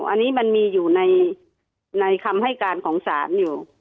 อันนี้มันมีอยู่ในคำให้การของศาลอยู่